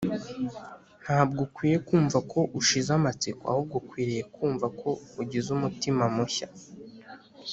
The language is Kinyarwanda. Ntabwo ukwiye kumva ko ushize amatsiko ahubwo ukwiriye kumva ko ugize umutima mushya